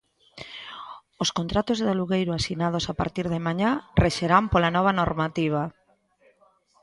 Os contratos de alugueiro asinados a partir de mañá rexerán pola nova normativa.